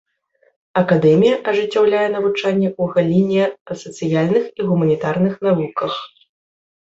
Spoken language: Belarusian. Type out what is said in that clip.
Акадэмія ажыццяўляе навучанне ў галіне сацыяльных і гуманітарных навуках.